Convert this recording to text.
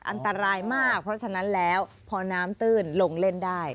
อันตรายมากเพราะฉะนั้นแล้วพอน้ำตื้นลงเล่นได้